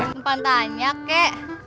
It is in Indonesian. tempan tanya kek